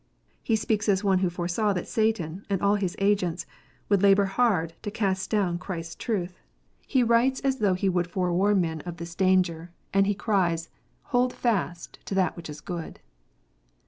He speaks as one who foresaw that Satan and all his agents would labour hard to cast down Christ s truth. He writes as though he PRIVATE JUDGMENT. 55 would forewarn men of this danger, and he cries, "Hold fast that which is good."